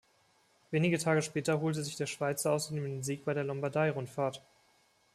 Wenige Tage später holte sich der Schweizer außerdem den Sieg bei der Lombardei-Rundfahrt.